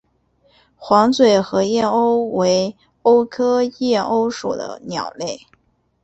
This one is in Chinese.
黄嘴河燕鸥为鸥科燕鸥属的鸟类。